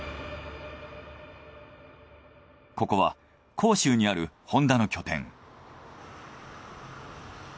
ここは広州にあるホンダの拠点。